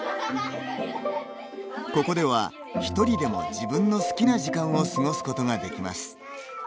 ここでは一人でも自分の好きな時間を過ごすことができます。